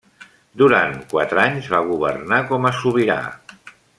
Durant quatre anys va governar com a sobirà.